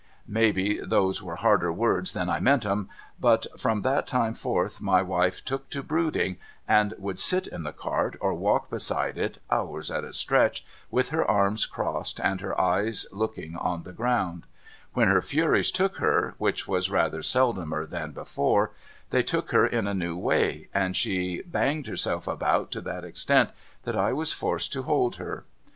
' Maybe those were harder words than I meant 'em ; but from that time forth my wife took to brooding, and would sit in the cart or walk beside it, hours at a stretch, with her arms crossed, and her eyes looking on the ground, \\'hen her furies took her (which was rather seldomer than before) they took her in a new way, and she banged herself about to that extent that I was forced to hold her.